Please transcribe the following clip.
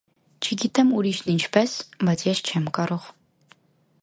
- Չգիտեմ ուրիշն ինչպես, բայց ես չեմ կարող: